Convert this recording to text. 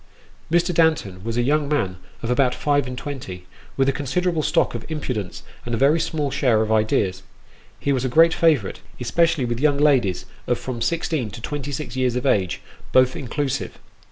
Mr. Danton was a young man of about five and twenty, with a The Baby. 365 considerable stock of impudence, and a very small share of ideas : he was a great favourite, especially with young ladies of from sixteen to twenty six years of age, both inclusive.